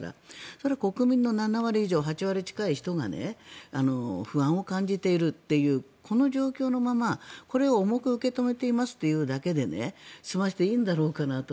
それは国民の７割以上、８割近い人が不安を感じているっていうこの状況のままこれを重く受け止めていますって言うだけで済ませていいんだろうかなと。